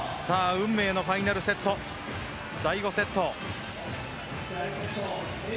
運命のファイナルセット第５セット。